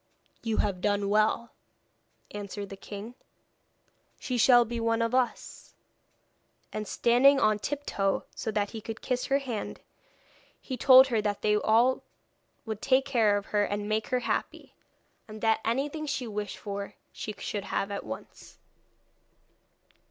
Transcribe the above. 'You have done well,' answered the king; 'she shall be one of us.' And standing on tiptoe, so that he could kiss her hand, he told her that they would all take care of her and make her happy, and that anything she wished for she should have at once.